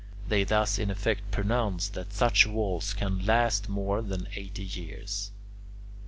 They thus in effect pronounce that such walls cannot last more than eighty years. 9.